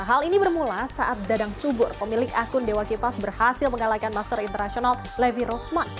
hal ini bermula saat dadang subur pemilik akun dewa kipas berhasil mengalahkan master internasional levi rosman